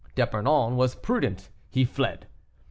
D'Epernon was prudent; he fled.